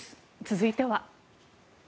続いては。